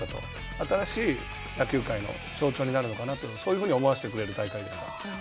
新しい野球界の象徴になるのかなとそういうふうに思わせてくれる大会でした。